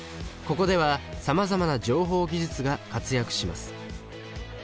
ここではさまざまな情報技術が活躍します。